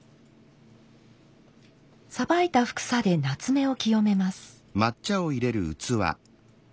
さばいた帛紗で棗を清めます。